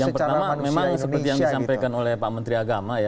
yang pertama memang seperti yang disampaikan oleh pak menteri agama ya